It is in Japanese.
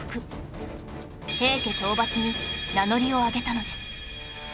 平家討伐に名乗りを上げたのです